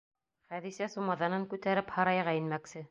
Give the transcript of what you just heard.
Хәҙисә сумаҙанын күтәреп һарайға инмәксе.